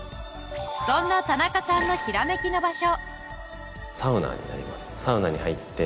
そんな田中さんのヒラメキの場所。